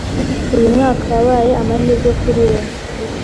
Uyu mwaka wabaye amahirwe kuri we.